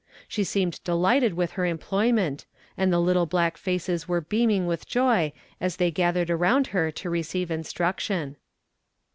She seemed delighted with her employment, and the little black faces were beaming with joy as they gathered around her to receive instruction.